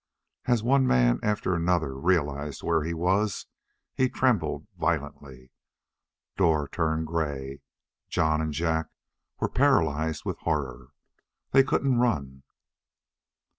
As one man after another realized where he was, he trembled violently. Dor turned gray. Jon and Jak were paralyzed with horror. They couldn't run.